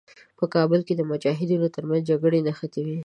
په کابل کې د مجاهدینو تر منځ جګړې نښتې وې.